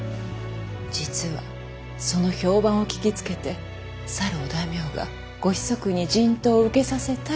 実はその評判を聞きつけてさるお大名がご子息に人痘を受けさせたいと言ってきてな。